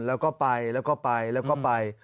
แล้วก็ไปแล้วก็ไปแล้วก็ไป